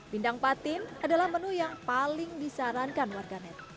bindang patin adalah menu yang paling disarankan warganet